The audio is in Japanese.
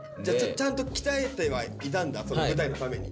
ちゃんと鍛えてはいたんだ舞台のために。